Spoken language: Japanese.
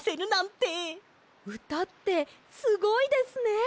うたってすごいですね！